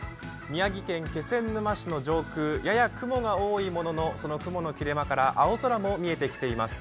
宮城県気仙沼市の上空、やや雲は多いもののその雲の切れ間から青空も見えてきています。